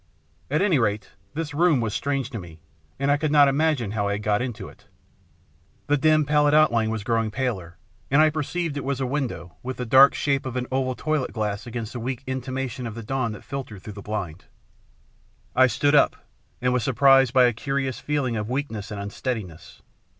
At anyrate, this room was strange to me, and I could not imagine how I had got into it. The dim, pallid outline STORY OF THE LATE MR. ELVESHAM 61 was growing paler, and I perceived it was a window, with the dark shape of an oval toilet glass against the weak intimation of the dawn that filtered through the blind. I stood up, and was surprised by a curious feeling of weakness and unsteadiness.